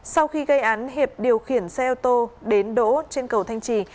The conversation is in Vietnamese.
sau khi gây án hiệp điều khiển xe ô tô đến đỗ trên cầu thanh trì